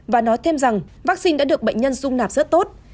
và nói thêm rằng vaccine đã được bệnh nhân dung nạp rất tốt